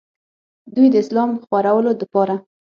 دوي د اسلام خورولو دپاره